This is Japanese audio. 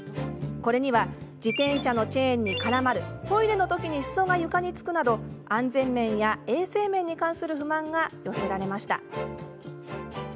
これには自転車のチェーンに絡まるトイレのときに、すそが床につくなど安全面や衛生面に関する不満が寄せられました。